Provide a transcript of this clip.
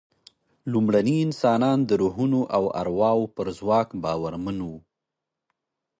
لومړني انسانان د روحونو او ارواوو پر ځواک باورمن وو.